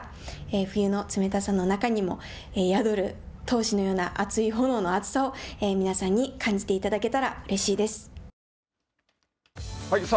冬の冷たさの中にも闘志のような熱い炎の熱さを皆さんに感じていただけたらさあ